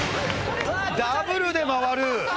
ダブルで回る！